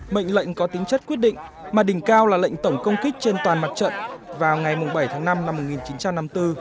mệnh lệnh có tính chất quyết định mà đỉnh cao là lệnh tổng công kích trên toàn mặt trận vào ngày bảy tháng năm năm một nghìn chín trăm năm mươi bốn